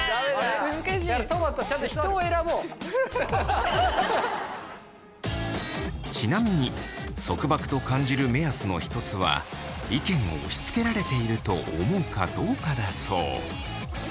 とまとちなみに束縛と感じる目安の一つは意見を押しつけられていると思うかどうかだそう。